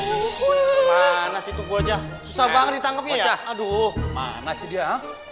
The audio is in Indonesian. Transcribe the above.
aduh mana situ aja susah banget ditangkap ya aduh mana sih dia